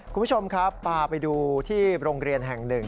คุณผู้ชมครับพาไปดูที่โรงเรียนแห่งหนึ่ง